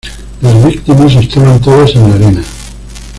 Las víctimas estaban todas en la arena.